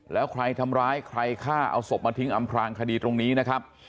แล้วใครทำร้ายใครฆ่าเอาศพมาทิ้งอำพลางคดีตรงนี้นะครับ